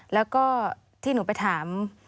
แล้วก็ที่หนูไปถาม